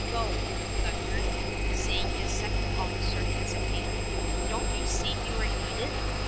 Go!" he thundered, seeing his second officer hesitate. "Don't you see you are needed?